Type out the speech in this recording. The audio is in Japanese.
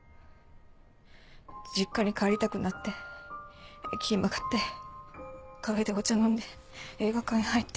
実家に帰りたくなって駅へ向かってカフェでお茶飲んで映画館へ入って。